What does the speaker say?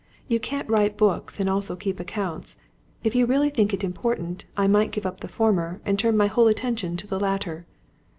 You can't write books, and also keep accounts. If you really think it important, I might give up the former, and turn my whole attention to the latter."